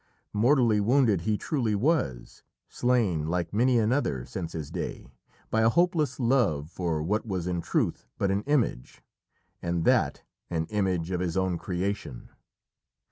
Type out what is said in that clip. Mortally wounded he truly was, slain, like many another since his day, by a hopeless love for what was in truth but an image, and that an image of his own creation.